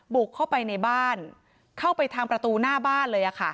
บุกเข้าไปในบ้านเข้าไปทางประตูหน้าบ้านเลย